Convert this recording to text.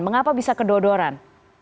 mengapa bisa kedodoran